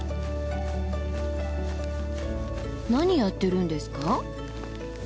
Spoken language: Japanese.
何やってるんですか？